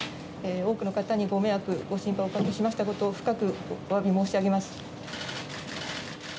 多くの方に、ご迷惑ご心配おかけしましたことを深くおわび申し上げます。